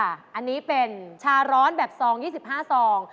อันนี้เป็นชาร้อนแบบซอง๒๕ซอง